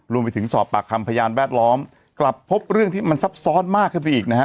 รวมไปถึงสอบปากคำพยานแวดล้อมกลับพบเรื่องที่มันซับซ้อนมากขึ้นไปอีกนะฮะ